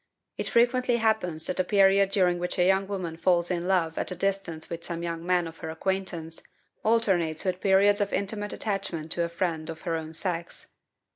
It frequently happens that a period during which a young woman falls in love at a distance with some young man of her acquaintance alternates with periods of intimate attachment to a friend of her own sex.